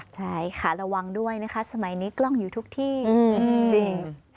ใช่ค่ะระวังด้วยนะคะสมัยนี้กล้องอยู่ทุกที่จริง